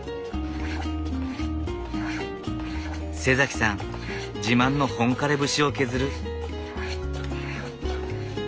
さん自慢の本枯節を削る。